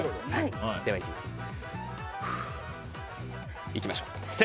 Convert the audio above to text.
では、いきます。